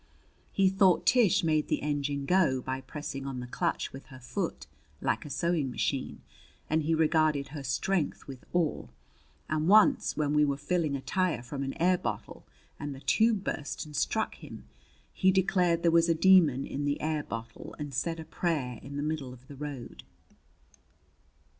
He thought Tish made the engine go by pressing on the clutch with her foot, like a sewing machine, and he regarded her strength with awe. And once, when we were filling a tire from an air bottle and the tube burst and struck him, he declared there was a demon in the air bottle and said a prayer in the middle of the road.